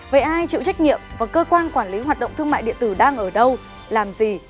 vậy ai chịu trách nhiệm và cơ quan quản lý hoạt động thương mại điện tử đang ở đâu làm gì